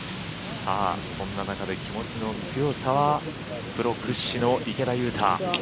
そんな中で気持ちの強さはプロ屈指の池田勇太。